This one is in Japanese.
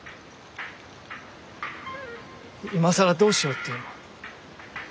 今更どうしようっていうの？